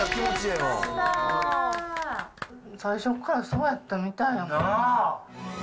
最初っからそうやったみたいやな。